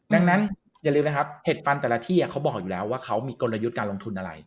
ดังนั้นอย่าลืมนะครับเห็ดฟันแต่ละที่เขาบอกอยู่แล้วว่าเขามีกลยุทธ์การลงทุนอะไร